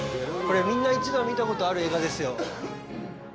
これ、みんな一度は見たことがある映画ですよ。